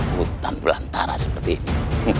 hutan belantara seperti ini